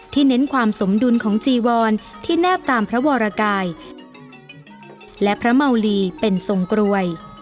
เน้นความสมดุลของจีวรที่แนบตามพระวรกายและพระเมาลีเป็นทรงกรวย